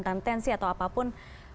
tentensi atau apapun